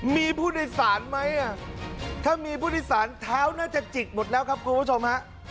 มีผู้โดยสารไหมถ้ามีผู้โดยสารเท้าน่าจะจิกหมดแล้วครับคุณผู้ชมฮะ